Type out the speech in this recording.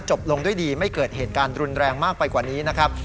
ลงด้วยดีไม่เกิดเหตุการณ์รุนแรงมากไปกว่านี้นะครับ